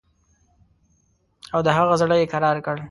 او د هغه زړه یې کرار کړ.